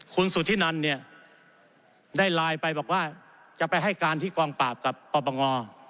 คุณสุธินันเนี่ยได้ไลน์ไปบอกว่าจะไปให้การที่กองปราบกับปปง